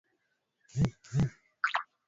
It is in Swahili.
mwelfu moja mia tisa ishirini na tano